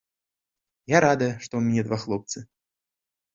Я радая, што ў мяне два хлопцы.